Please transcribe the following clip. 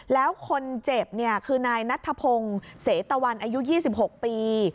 แล้วคนเจ็บคือนายนัทธพงศ์เสตะวันอายุ๒๖ปี